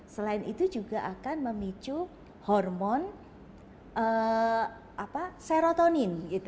selain itu juga akan memicu hormon serotonin